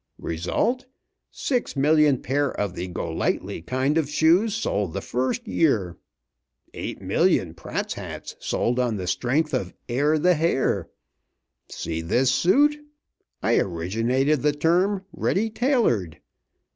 Result, six million pair of the Go lightly kind of shoes sold the first year. Eight million Pratt's Hats sold on the strength of 'Air the Hair.' See this suit? I originated the term 'Ready tailored.'